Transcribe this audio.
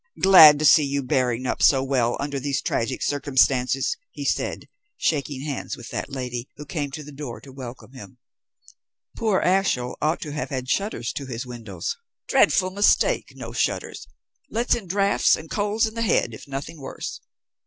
Glad to see you bearing up so well under these tragic circumstances," he said, shaking hands with that lady, who came to the door to welcome him. "Poor Ashiel ought to have had shutters to his windows. Dreadful mistake, no shutters: lets in draughts and colds in the head, if nothing worse.